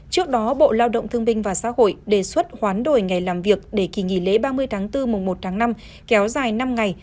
trước đó bộ lao động thương binh và xã hội đề xuất hoán đổi ngày làm việc để kỳ nghỉ lễ ba mươi tháng bốn mùng một tháng năm kéo dài năm ngày